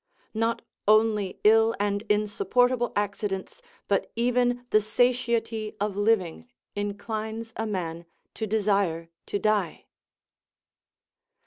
Not only ill and insupportable accidents, but even the satiety of living, inclines a man to desire to die."